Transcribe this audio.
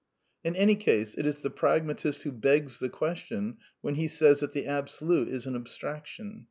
In any case, it is the pragmatist who begs the question when he says that the Absolute is an abstraction.